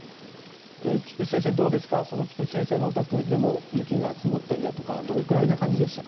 菊地先生、どうですか菊地先生のお宅でも雪が積もったりだとかどのくらいの感じでしたか。